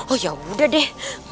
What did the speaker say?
oh ya udah deh